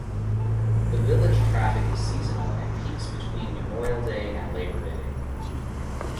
The village traffic is seasonal and peaks between Memorial Day and Labor Day.